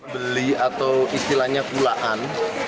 beli atau istilahnya pulaan